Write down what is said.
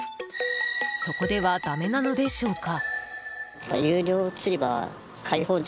そこではだめなのでしょうか？